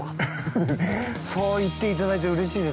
◆そう言っていただいてうれしいです。